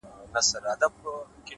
هغه وه تورو غرونو ته رويا وايي _